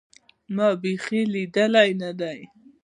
ما بيخي ليدلى نه دى.